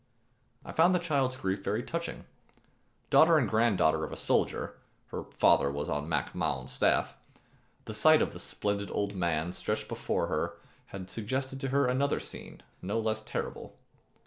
I found the child's grief very touching. Daughter and granddaughter of a soldier (her father was on Mac Mahon's[267 1] staff), the sight of this splendid old man stretched out before her had suggested to her another scene, no less terrible.